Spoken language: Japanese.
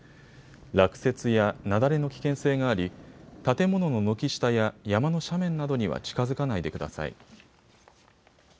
落雪や雪崩の危険性があり建物の軒下や山の斜面などには近づかないでください。